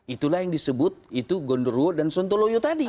itulah yang disebut itu gondoruo dan sontoloyo tadi